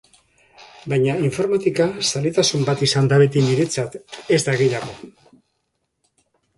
Baina informatika zaletasun bat izan da beti niretzat, ez da gehiago.